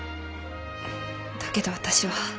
だけど私は。